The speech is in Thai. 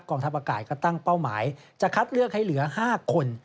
ทัพอากาศก็ตั้งเป้าหมายจะคัดเลือกให้เหลือ๕คน